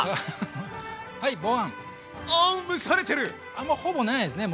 あんまほぼないですね